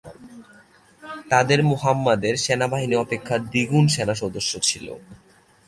তাদের মুহাম্মাদের সেনাবাহিনী অপেক্ষা দ্বিগুণ সেনা সদস্য ছিল।